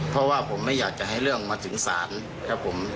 เพราะว่าผมไม่อยากจะให้เรื่องมาถึงศาลครับผม